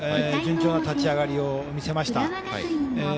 順調な立ち上がりを見せました。